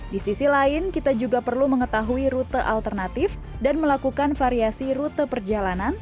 di sisi lain kita juga perlu mengetahui rute alternatif dan melakukan variasi rute perjalanan